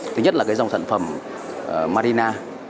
thứ nhất là dòng sản phẩm marina